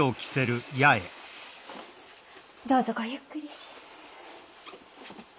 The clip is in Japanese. どうぞごゆっくり。